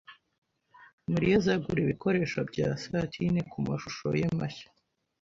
Mariya azagura ibikoresho bya satine kumashusho ye mashya.